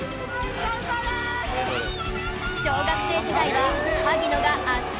小学生時代は萩野が圧勝！